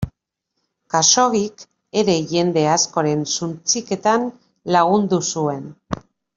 Khaxoggik ere jende askoren suntsiketan lagundu zuen.